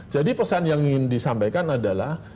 jadi pesan yang ingin disampaikan adalah